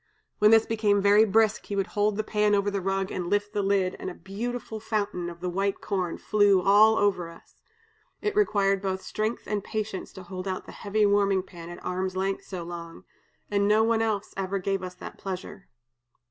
When this became very brisk, he would hold the pan over the rug and lift the lid, and a beautiful fountain of the white corn flew all over us. It required both strength and patience to hold out the heavy warming pan at arm's length so long, and no one else ever gave us that pleasure.